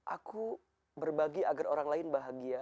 aku berbagi agar orang lain bahagia